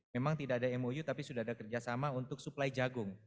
memang tidak ada mou tapi sudah ada kerjasama untuk suplai jagung